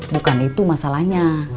bukan itu masalahnya